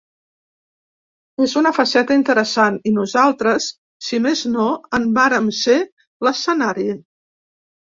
És una faceta interessant i nosaltres, si més no, en vàrem ser l’escenari.